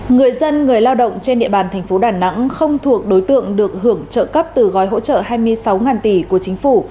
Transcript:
người dân người lao động trên địa bàn thành phố đà nẵng không thuộc đối tượng được hưởng trợ cấp từ gói hỗ trợ hai mươi sáu tỷ của chính phủ